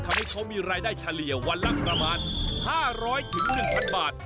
ทำให้เขามีรายได้เฉลี่ยวันละประมาณ๕๐๐๑๐๐บาท